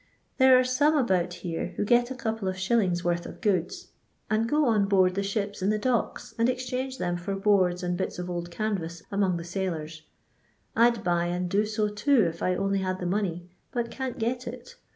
There ore some about here who get a couple of shillings' worth of goods, and go on LONDON LABOUR AND THB LONDON POOR. 141 boud the ihipi in the Docks, and exchange them lor bonea and bits of old caoTas among the sailors ; I 'd buy aiid do so too if I only had the money, but can't get it.